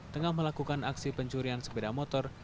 tengah melakukan aksi pencurian sepeda motor